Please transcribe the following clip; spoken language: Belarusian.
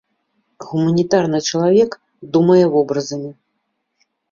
Гуманітарны чалавек думае вобразамі.